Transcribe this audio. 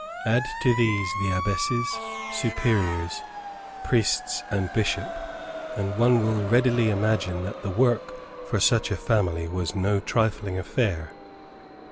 Add to these the abbesses, superiors, priests, and bishop, and one will readily imagine that the work for such a family was no trifling affair.